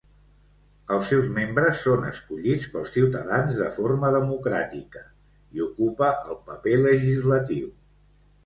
Els seus membres són escollits pels ciutadans de forma democràtica i ocupa el paper legislatiu.